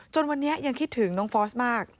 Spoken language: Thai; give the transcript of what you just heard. วันนี้ยังคิดถึงน้องฟอสมาก